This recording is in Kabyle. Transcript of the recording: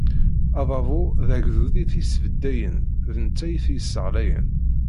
Adabu, d agdud i t-id-yesbeddayen, d netta i t-yessaɣlayen.